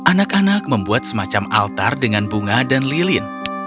anak anak membuat semacam altar dengan bunga dan lilin